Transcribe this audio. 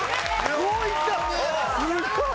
すごい！